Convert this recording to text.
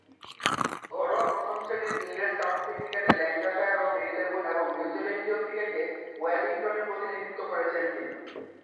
ঘরোয়া প্রথম-শ্রেণীর ইংরেজ কাউন্টি ক্রিকেটে ল্যাঙ্কাশায়ার ও মেরিলেবোন এবং নিউজিল্যান্ডীয় ক্রিকেটে ওয়েলিংটনের প্রতিনিধিত্ব করেছেন তিনি।